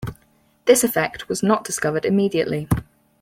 This effect was not discovered immediately.